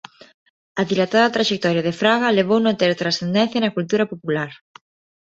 A dilatada traxectoria de Fraga levouno a ter transcendencia na cultura popular.